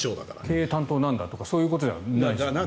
経営担当なんだとかそういうことじゃないですよね。